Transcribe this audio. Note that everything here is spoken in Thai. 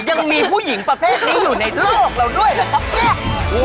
ยังมีผู้หญิงประเภทนี้อยู่ในโลกเราด้วยนะครับ